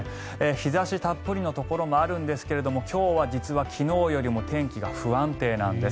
日差したっぷりのところもあるんですが今日は、実は昨日よりも天気が不安定なんです。